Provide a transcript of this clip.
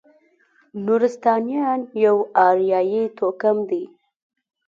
نورستانیان یو اریایي توکم دی.